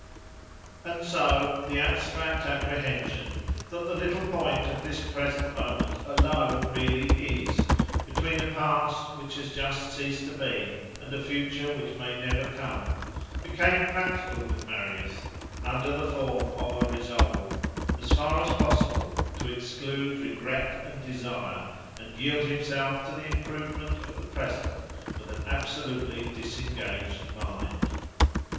And so the abstract apprehension that the little point of this present moment alone really is, between a past which has just ceased to be and a future which may never come, became practical with Marius, under the form of a resolve, as far as possible, to exclude regret and desire, and yield himself to the improvement of the present with an absolutely disengaged mind.